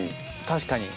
確かに。